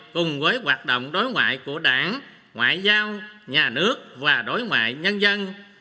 cùng với hoạt động đối ngoại của đảng ngoại giao nhà nước và đối ngoại nhân dân